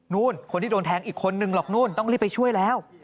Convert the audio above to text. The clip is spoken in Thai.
คนที่โดนแทงอีกคนนึงหรอกนู่นต้องรีบไปช่วยแล้ว